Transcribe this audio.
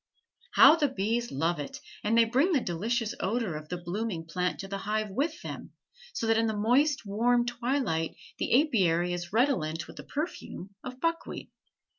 How the bees love it, and they bring the delicious odor of the blooming plant to the hive with them, so that in the moist warm twilight the apiary is redolent with the perfume of buckwheat.